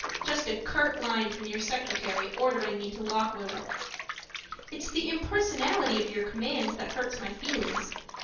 Just a curt line from your secretary ordering me to Lock Willow. It's the impersonality of your commands that hurts my feelings.